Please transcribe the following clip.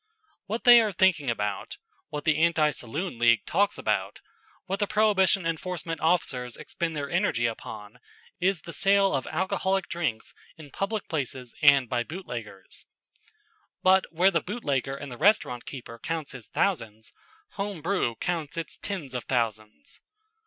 What they are thinking about, what the Anti Saloon League talks about, what the Prohibition enforcement officers expend their energy upon, is the sale of alcoholic drinks in public places and by bootleggers. But where the bootlegger and the restaurant keeper counts his thousands, home brew counts its tens of thousands.